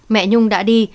mẹ nhung đã đi